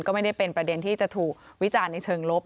ก็ไม่ได้เป็นประเด็นที่จะถูกวิจารณ์ในเชิงลบ